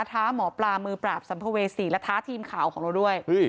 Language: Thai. ท้าหมอปลามือปราบสัมภเวษีและท้าทีมข่าวของเราด้วย